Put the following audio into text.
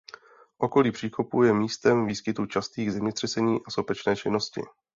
Okolí příkopů je místem výskytu častých zemětřesení a sopečné činnosti.